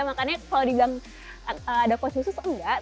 makanya kalau dibilang ada cost khusus enggak